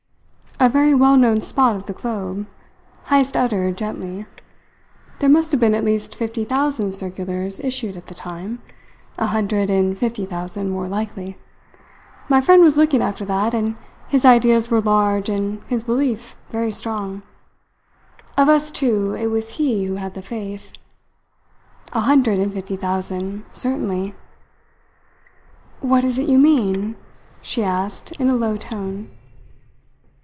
"A very well known spot of the globe," Heyst uttered gently. "There must have been at least fifty thousand circulars issued at the time a hundred and fifty thousand, more likely. My friend was looking after that, and his ideas were large and his belief very strong. Of us two it was he who had the faith. A hundred and fifty thousand, certainly." "What is it you mean?" she asked in a low tone.